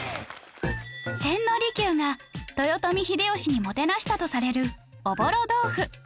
千利休が豊臣秀吉にもてなしたとされるおぼろ豆腐